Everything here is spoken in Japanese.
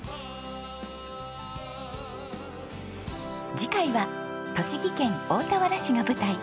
次回は栃木県大田原市が舞台。